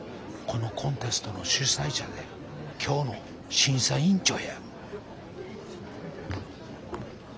このコンテストの主催者で今日の審査委員長や。